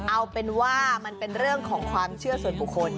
เอาเป็นว่ามันเป็นเรื่องของความเชื่อส่วนบุคคล